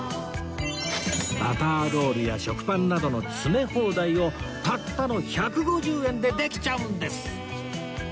バターロールや食パンなどの詰め放題をたったの１５０円でできちゃうんです！